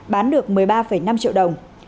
bán được một mươi ba năm triệu đồng